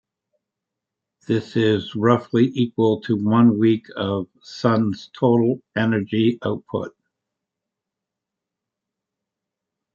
This is roughly equal to one week of the Sun's total energy output.